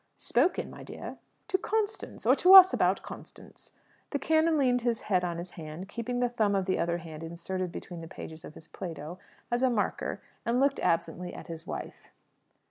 "Spoken, my dear?" "To Constance; or to us about Constance." The canon leaned his head on his hand, keeping the thumb of the other hand inserted between the pages of his Plato as a marker, and looked absently at his wife.